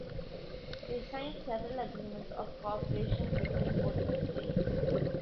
They signed several agreements of cooperation between both countries.